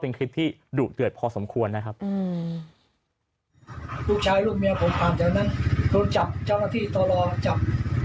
เป็นคลิปที่ดุเดือดพอสมควรนะครับ